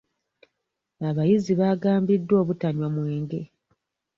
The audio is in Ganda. Abayizi baagambiddwa obutanywa mwenge.